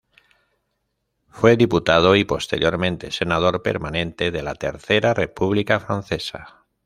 Fue diputado y posteriormente senador permanente de la Tercera república francesa.